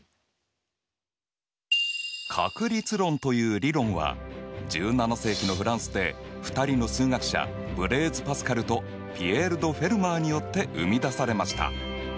確率論という理論は１７世紀のフランスで２人の数学者ブレーズ・パスカルとピエール・ド・フェルマーによって生み出されました。